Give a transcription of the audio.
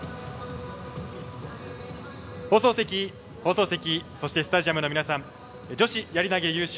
放送席、スタジアムの皆さん女子やり投げ優勝